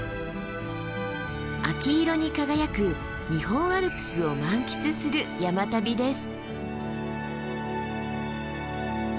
秋色に輝く日本アルプスを満喫する山旅です。